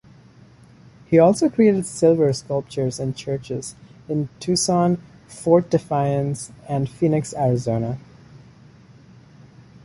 He also created silver sculptures in churches in Tucson, Fort Defiance, and Phoenix, Arizona.